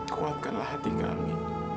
kuatkanlah hati kami